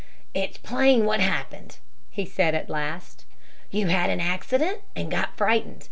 "It's plain what happened," he said at last. "You had an accident and got frightened.